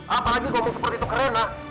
apalagi ngomong seperti itu ke rena